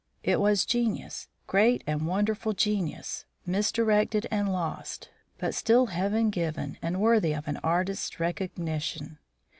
It was genius, great and wonderful genius, misdirected and lost, but still heaven given and worthy of an artist's recognition.